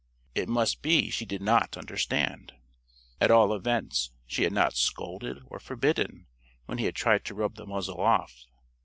It must be she did not understand. At all events, she had not scolded or forbidden, when he had tried to rub the muzzle off.